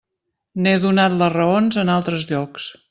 N'he donat les raons en altres llocs.